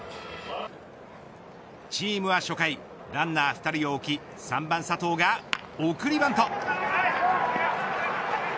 チームは初回ランナー２人を置き、３番佐藤が送りバント。